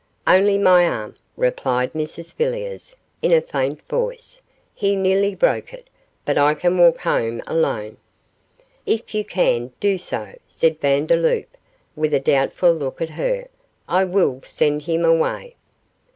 'Only my arm,' replied Mrs Villiers, in a faint voice; 'he nearly broke it. But I can walk home alone.' 'If you can, do so,' said Vandeloup, with a doubtful look at her. 'I will send him away.